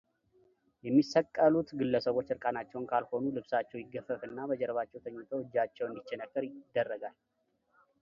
የሚሰቀሉት ግለሰቦች እርቃናቸውን ካልሆኑ ልብሳቸው ይገፈፍና በጀርባቸው ተኝተው እጃቸው እንዲቸነከር ይደረጋል።